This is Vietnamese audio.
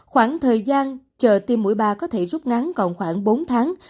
khoảng thời gian chờ tiêm mũi ba có thể rút ngắn còn khoảng bốn tháng